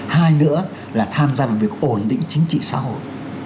hai nữa là tham gia vào việc ổn định chính trị xã hội